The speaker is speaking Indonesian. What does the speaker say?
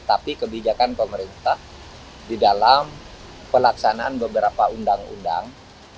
tapi kebijakan pemerintah di dalam pelaksanaan beberapa undang undang